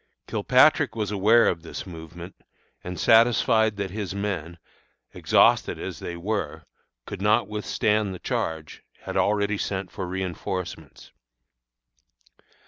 Kilpatrick was aware of this movement, and satisfied that his men, exhausted as they were, could not withstand the charge, had already sent for reënforcements.